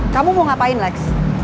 kamu mau ngapain lex